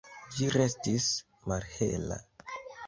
Ĝi restis malhela.